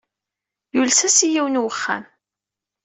Yules-as i yiwen n wexxam.